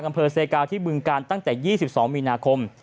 อำเภอเซกาที่บึงการตั้งแต่๒๒มีนาคม